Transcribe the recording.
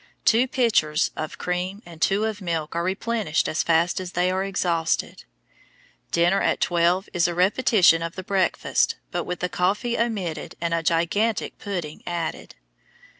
Two pitchers of cream and two of milk are replenished as fast as they are exhausted. Dinner at twelve is a repetition of the breakfast, but with the coffee omitted and a gigantic pudding added.